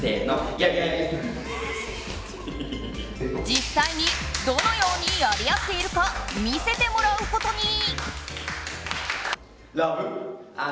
実際にどのようにやり合っているか見せてもらうことに。